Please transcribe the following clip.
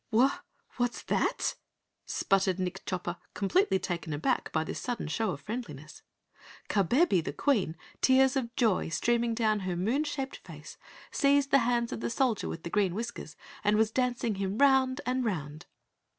"Wha what's that?" sputtered Nick Chopper completely taken aback by this sudden show of friendliness. Kabebe the Queen, tears of joy streaming down her moon shaped face, seized the hands of the Soldier with Green Whiskers and was dancing him 'round and 'round.